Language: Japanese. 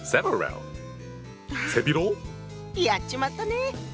やっちまったね！